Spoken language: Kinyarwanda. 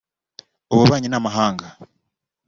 ububanyi n’amahanga